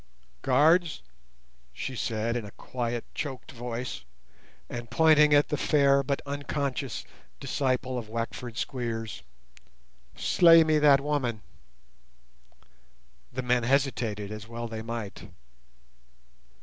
"Guards," she said in a quiet choked voice, and pointing at the fair but unconscious disciple of Wackford Squeers, "slay me that woman." The men hesitated, as well they might.